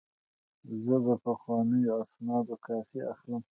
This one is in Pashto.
زه د پخوانیو اسنادو کاپي اخلم.